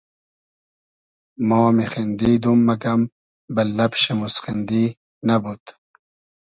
ما میخیندیدوم مئگئم بئل لئب شی موسخیندی نئبود